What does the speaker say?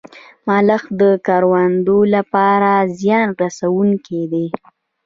ملخ د کروندو لپاره زیان رسوونکی دی